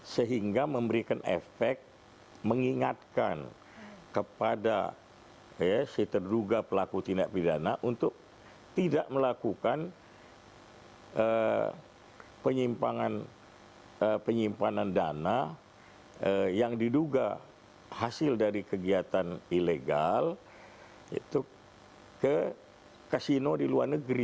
sehingga memberikan efek mengingatkan kepada si terduga pelaku tindak pidana untuk tidak melakukan penyimpanan dana yang diduga hasil dari kegiatan ilegal ke kasino di luar negeri